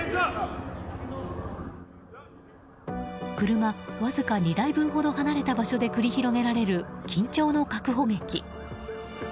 車わずか２台分ほど離れた場所で繰り広げられる緊張の確保劇。